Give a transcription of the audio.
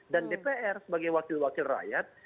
dan dpr sebagai wakil wakil rakyat